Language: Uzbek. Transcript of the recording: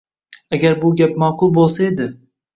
Agar bu gap ma’qul bo‘lsa edi.